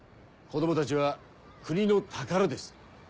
・子供たちは国の宝です。